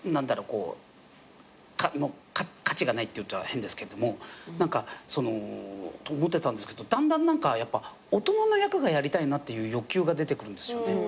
こう価値がないって言ったら変ですけれども。と思ってたんですけどだんだん何かやっぱ大人の役がやりたいなっていう欲求が出てくるんですよね。